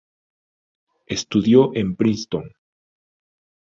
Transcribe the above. Estudió en Princeton.